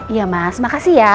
iya mas makasih ya